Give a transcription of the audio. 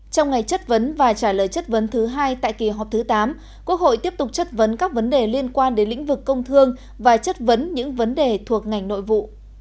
trong ngày chất vấn và trả lời chất vấn thứ hai tại kỳ họp thứ tám quốc hội tiếp tục chất vấn các vấn đề liên quan đến lĩnh vực công thương và chất vấn những vấn đề thuộc ngành nội vụ